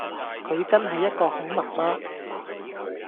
佢真係一個好媽媽